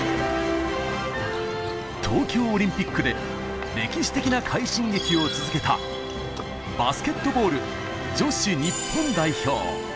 東京オリンピックで歴史的な快進撃を続けたバスケットボール女子日本代表。